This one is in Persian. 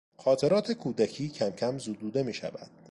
خاطرات کودکی کم کم زدوده میشود.